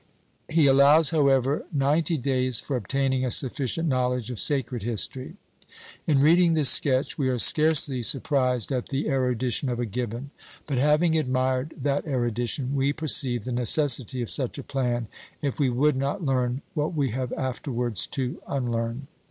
He allows, however, ninety days for obtaining a sufficient knowledge of Sacred History. In reading this sketch, we are scarcely surprised at the erudition of a Gibbon; but having admired that erudition, we perceive the necessity of such a plan, if we would not learn what we have afterwards to unlearn.